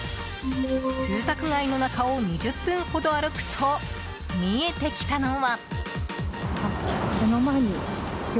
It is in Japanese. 住宅街の中を２０分ほど歩くと見えてきたのは。